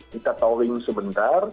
kita towing sebentar